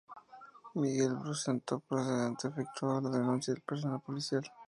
Miguel Bru, sentó precedente efectuando la denuncia del personal policial.